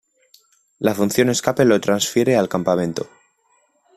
La función escape lo transfiere al campamento.